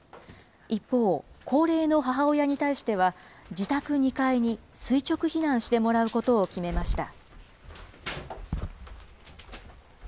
一方、高齢の母親に対しては、自宅２階に垂直避難してもらうことを決めました。